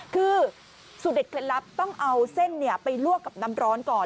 คือสูตรเด็ดเคล็ดลับต้องเอาเส้นไปลวกกับน้ำร้อนก่อน